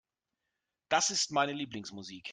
Das ist meine Lieblingsmusik.